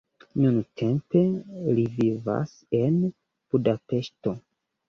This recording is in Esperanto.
Nuntempe li vivas en Budapeŝto.